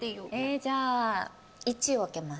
じゃあ１を開けます。